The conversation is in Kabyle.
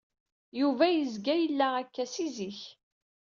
Yuba yezga yella akka si zik.